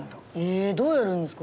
えどうやるんですか？